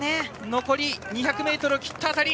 残り２００ｍを切った辺り。